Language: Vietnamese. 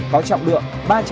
có trọng lượng